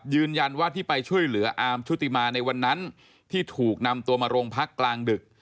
ยืนยันว่าที่ไปช่วยเหลืออาร์มชุติมาในวันนั้นที่ถูกนำตัวมาโรงพักกลางดึก